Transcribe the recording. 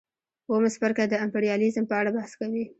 اووم څپرکی د امپریالیزم په اړه بحث کوي